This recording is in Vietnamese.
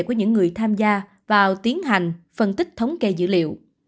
của những người tham gia vào tiến hành phân tích thống kê dữ liệu